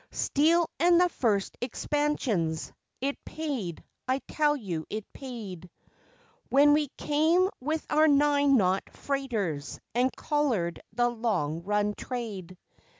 Steel and the first expansions. It paid, I tell you, it paid, When we came with our nine knot freighters and collared the long run trade.